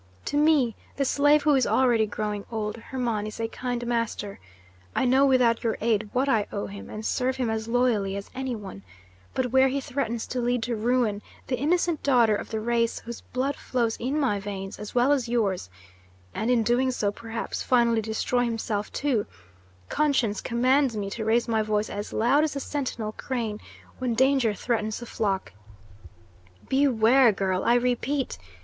To me, the slave, who is already growing old, Hermon is a kind master. I know without your aid what I owe him, and serve him as loyally as any one; but where he threatens to lead to ruin the innocent daughter of the race whose blood flows in my veins as well as yours, and in doing so perhaps finally destroy himself too, conscience commands me to raise my voice as loud as the sentinel crane when danger threatens the flock. Beware, girl, I repeat!